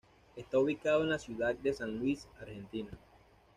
Está ubicado en la ciudad de San Luis, Argentina.